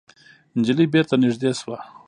نجلۍ بېرته نږدې شوه.